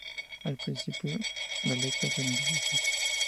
Al principio, las letras eran religiosas.